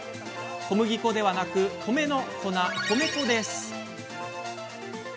小麦粉ではなく米の粉、米粉です。